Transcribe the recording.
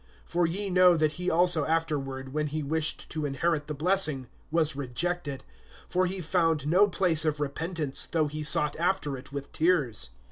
(17)For ye know that he also afterward, when he wished to inherit the blessing, was rejected; for he found no place of repentance, though he sought after it with tears.